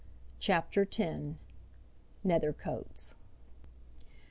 CHAPTER X. Nethercoats.